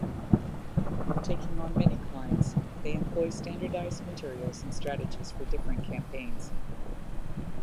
Taking on many clients, they employ standardized materials and strategies for different campaigns.